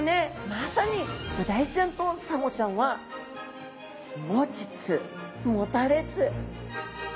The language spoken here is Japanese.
まさにブダイちゃんとサンゴちゃんはもちつもたれつ。